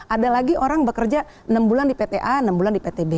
ada lagi orang bekerja enam bulan di pta enam bulan di pt b